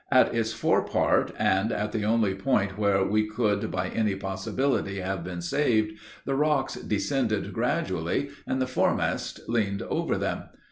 At its fore part, and at the only point where we could by any possibility have been saved, the rocks descended gradually, and the foremast leaned over them.